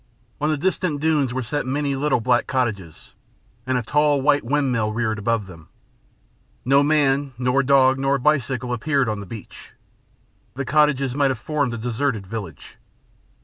On the distant dunes were set many little black cottages, and a tall white windmill reared above them. No man, nor dog, nor bicycle appeared on the beach. The cottages might have formed a deserted village.